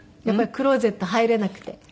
やっぱりクローゼット入れなくて。